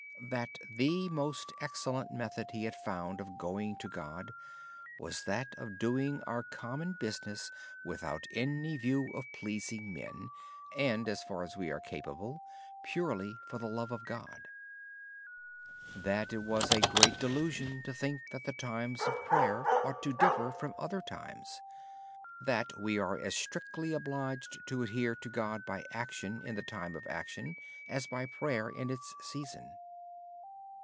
The most excellent method he had found for going to God was that of doing our common business without any view of pleasing men but purely for the love of God. Brother Lawrence felt it was a great delusion to think that the times of prayer ought to differ from other times. We are as strictly obliged to adhere to God by action in the time of action, as by prayer in its season.